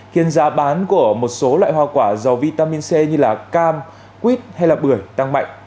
khiến giá bán của một số loại hoa quả do vitamin c như cam quýt hay bưởi tăng mạnh